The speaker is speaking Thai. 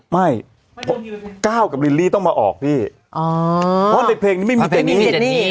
ไม่ก้าวกับลิลลี่ต้องมาออกพี่เพราะในเพลงนี้ไม่มีเพลงนี้